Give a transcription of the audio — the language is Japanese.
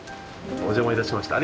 お邪魔いたしました。